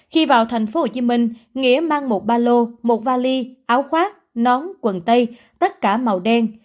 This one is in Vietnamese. khi vào thành phố hồ chí minh nghĩa mang một ba lô một vali áo khoác nón quần tay tất cả màu đen